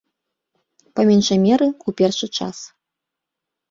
Па меншай меры, у першы час.